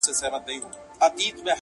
چي د ده عاید څو چنده دا علت دی،